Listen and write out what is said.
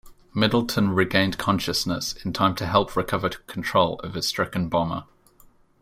Middleton regained consciousness in time to help recover control of his stricken bomber.